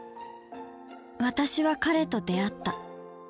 私は彼と出った。